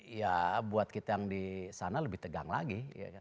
ya buat kita yang di sana lebih tegang lagi